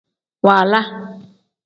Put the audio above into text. Waala.